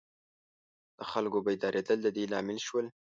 د خلکو بیدارېدل د دې لامل شول.